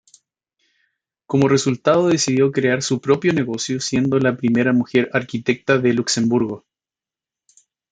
Como resultado, decidió crear su propio negocio, siendo la primera mujer arquitecta de Luxemburgo.